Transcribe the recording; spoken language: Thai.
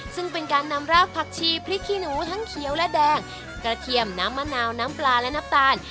ซึ่งเป็นการนำรากผักชีพริขี้หนูทั้งเขียวและแดงกระเทียมน้ำมะนาวน้ำปลาและน้ำตาล